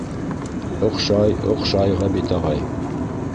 — Оҡшай, оҡшай, Ғәбит ағай.